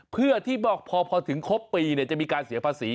เพื่อที่บอกพอถึงครบปีจะมีการเสียภาษี